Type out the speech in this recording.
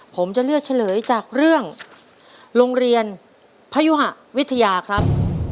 ผมจะเลือกเฉลยจากเรื่องโรงเรียนพยุหะวิทยาครับ